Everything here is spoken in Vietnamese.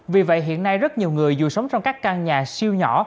vì vậy hiện nay rất nhiều người dù sống trong các căn nhà siêu nhỏ